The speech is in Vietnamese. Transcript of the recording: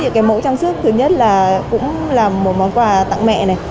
cái mẫu trang sức thứ nhất là cũng là một món quà tặng mẹ này